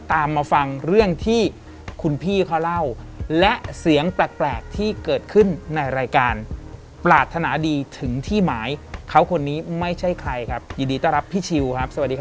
สามารถที่จะเปิดผ้าแล้วจับดูได้ไหม